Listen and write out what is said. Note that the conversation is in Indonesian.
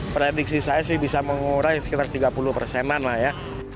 prediksi saya sih bisa mengurai sekitar tiga puluh persenan lah ya